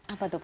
apa itu pak